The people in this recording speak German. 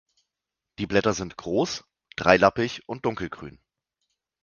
Die Blätter sind groß, dreilappig und dunkelgrün.